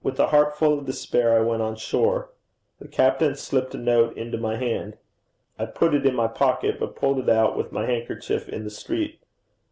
With a heart full of despair I went on shore. The captain slipped a note into my hand. I put it in my pocket, but pulled it out with my handkerchief in the street.